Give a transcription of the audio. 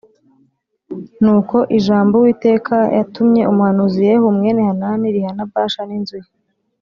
Nuko ijambo Uwiteka yatumye umuhanuzi Yehu mwene Hanani rihana Bāsha n’inzu ye